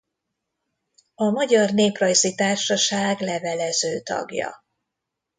A Magyar Néprajzi Társaság levelező tagja.